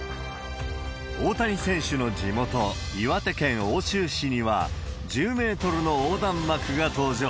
大谷選手の地元、岩手県奥州市には、１０メートルの横断幕が登場。